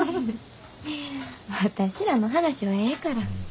私らの話はええから。